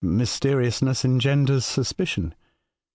Mys teriousness engenders suspicion.